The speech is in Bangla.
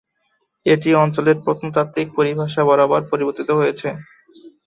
এই অঞ্চলের প্রত্নতাত্ত্বিক পরিভাষা বারবার পরিবর্তিত হয়েছে।